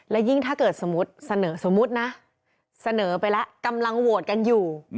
และยิ่งถ้าเกิดสมมุติเสนอสมมุตินะเสนอไปแล้วกำลังโหวตกันอยู่